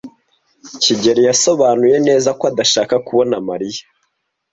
kigeli yasobanuye neza ko adashaka kubona Mariya.